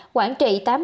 quảng trị tám mươi